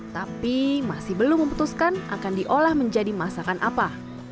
tapi masih belum memutuskan akan diolah menjadi masakan apa